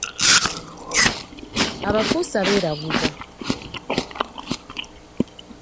Abafuusa beeraguza.